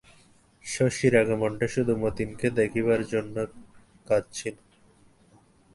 শশীর আগমনটা শুধু মতিকে দেখিবার জন্য, কাজ ছিল।